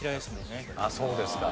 そうですか。